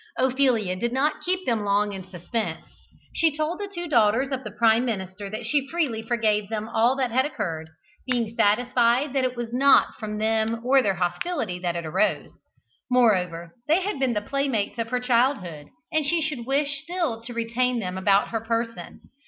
Ophelia did not keep them long in suspense. She told the two daughters of the Prime Minister that she freely forgave them all that had occurred, being satisfied that it was not from them or their hostility that it arose. Moreover, they had been the playmates of her childhood, and she should wish still to retain them about her person.